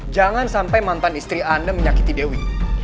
jangan sampai mantan istri anda menyakiti dewi